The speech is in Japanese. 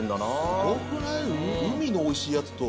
すごくない？